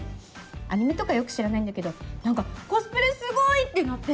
アニメとかよく知らないんだけど何かコスプレすごい！ってなって。